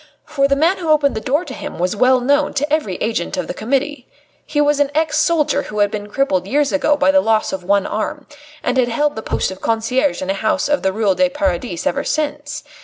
For the man who opened the door to him was well known to every agent of the Committee. He was an ex soldier who had been crippled years ago by the loss of one arm, and had held the post of concierge in a house in the Ruelle du Paradis ever since.